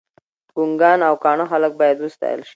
ګنګان او کاڼه خلګ باید وستایل شي.